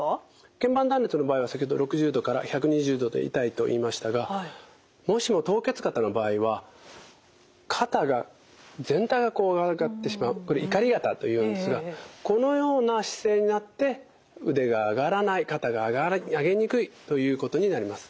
けん板断裂の場合は先ほど６０度から１２０度で痛いと言いましたがもしも凍結肩の場合は肩が全体がこう上がってしまうこれいかり肩というんですがこのような姿勢になって腕が上がらない肩が上げにくいということになります。